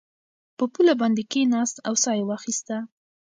په پوله باندې کېناست او ساه یې واخیسته.